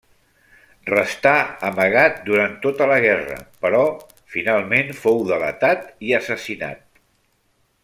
Restà amagat durant tota la guerra, però finalment fou delatat i assassinat.